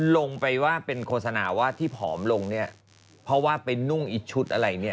ลงไปว่าเป็นโฆษณาว่าที่ผอมลงเนี่ยเพราะว่าไปนุ่งอีกชุดอะไรเนี่ย